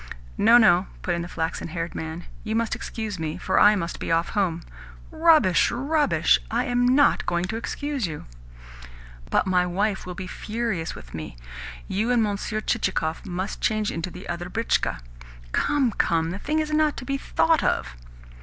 "No, no," put in the flaxen haired man. "You must excuse me, for I must be off home." "Rubbish, rubbish! I am NOT going to excuse you." "But my wife will be furious with me. You and Monsieur Chichikov must change into the other britchka." "Come, come! The thing is not to be thought of."